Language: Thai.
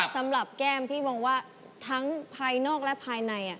แก้มพี่มองว่าทั้งภายนอกและภายใน